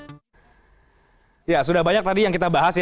bahwa saya sudah banyak yang sudah kita bahas